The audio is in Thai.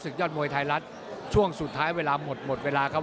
ยอดมวยไทยรัฐช่วงสุดท้ายเวลาหมดหมดเวลาครับ